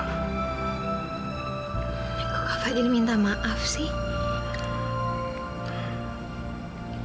kok kak fadil minta maaf sih